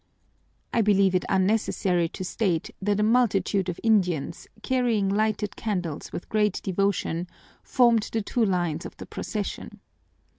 I believe it unnecessary to state that a multitude of Indians, carrying lighted candles with great devotion, formed the two lines of the procession.